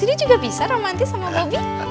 cindy juga bisa romantis sama tobi